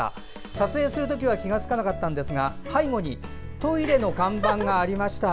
撮影する時には気がつかなかったんですが背後にトイレの看板がありました。